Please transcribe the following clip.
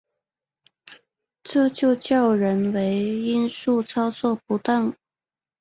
这就叫人为因素操作不当